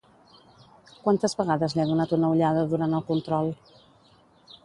Quantes vegades li ha donat una ullada durant el control?